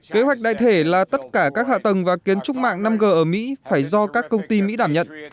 kế hoạch đại thể là tất cả các hạ tầng và kiến trúc mạng năm g ở mỹ phải do các công ty mỹ đảm nhận